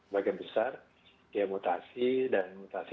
bagian besar dia mutasi dan mutasi yang lainnya juga mutasi